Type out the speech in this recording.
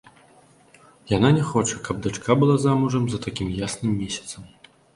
Яна не хоча, каб дачка была замужам за такім ясным месяцам.